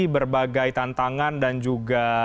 berbagai tantangan dan juga